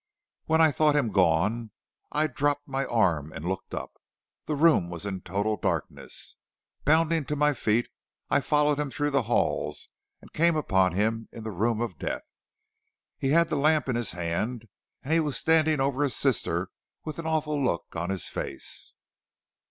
When I thought him gone I dropped my arm and looked up. The room was in total darkness. Bounding to my feet I followed him through the halls and came upon him in the room of death. He had the lamp in his hand, and he was standing over his sister with an awful look on his face.